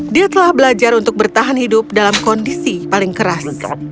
dia telah belajar untuk bertahan hidup dalam kondisi paling keras